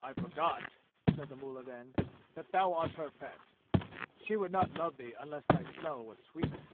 "I forgot," said the mullah then, "that thou art her pet. She would not love thee unless thy smell was sweet."